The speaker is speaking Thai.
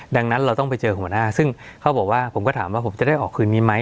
ดังนั้นเราต้องไปเจอคุณหัวหน้าซึ่งเขาบอกว่าผมก็ถามว่าผมจะได้ออกคืนนี้ไหม